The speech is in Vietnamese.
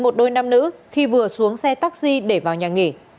một đôi nam nữ khi vừa xuống xe taxi để vào nhà nghỉ